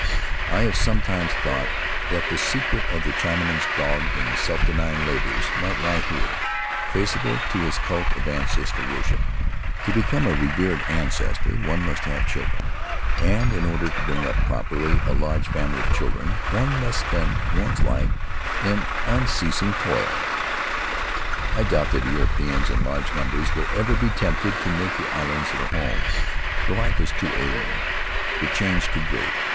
I have sometimes thought that the secret of the China man's dogged and self denying labors might lie here — traceable to his cult of ancestor worship: to become a revered ancestor one must have children, and in order to bring up properly a large family of children one must spend one's life in unceasing toil. In the Valley of Vaitia I doubt that Europeans in large numbers will ever be tempted to make the islands their home; the life is too alien, the change too great.